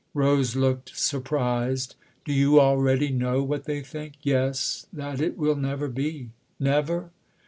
Rose looked surprised. "Do you already know what they think ?"" Yes that it will never be." "Never?"